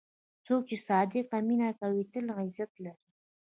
څوک چې صادق مینه کوي، تل عزت لري.